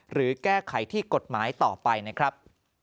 หรือแก้ไขที่กฎหมายต่อไปนะครับ